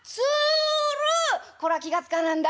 こら気が付かなんだ。